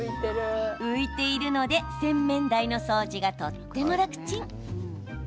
浮いているので、洗面台の掃除がとっても楽ちん。